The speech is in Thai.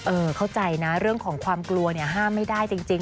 เข้าใจนะเรื่องของความกลัวเนี่ยห้ามไม่ได้จริง